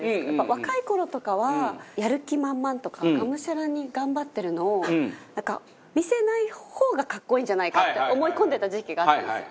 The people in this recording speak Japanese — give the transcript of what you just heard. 若い頃とかはやる気満々とかがむしゃらに頑張ってるのを見せない方が格好いいんじゃないかって思い込んでた時期があったんですよ。